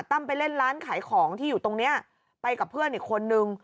ไปเล่นร้านขายของที่อยู่ตรงนี้ไปกับเพื่อนอีกคนนึง